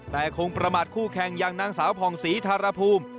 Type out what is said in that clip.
แต่คงประมาทคู่แข่งอย่างนางสาวผ่องศรีธารภูมิ